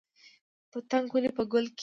پتنګ ولې په ګل کیني؟